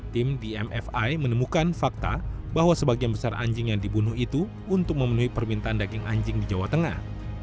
tim dmfi menemukan fakta bahwa sebagian besar anjing yang dibunuh itu untuk memenuhi permintaan daging anjing di jawa tengah